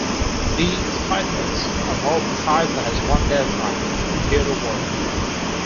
B is typeless, or more precisely has one data type: the computer word.